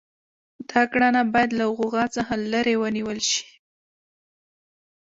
دا کړنه باید له غوغا څخه لرې ونیول شي.